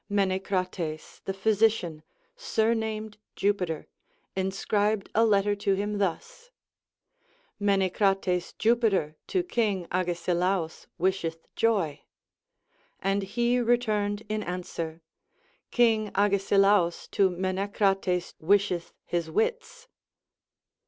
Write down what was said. Menecrates the phy sician, surnamed Jupiter, inscribed a letter to him thus : Menecrates Jupiter to King Agesilaus wisheth joy. And he returned in answ^er : King Agesilaus to Menecrates wisheth his Avits.